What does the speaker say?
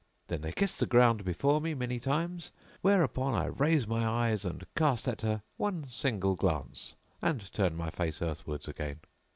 Then they kiss the ground before me many times; whereupon I raise my eyes and cast at her one single glance and turn my face earthwards again.